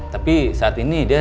lagi dirawat di rumah dia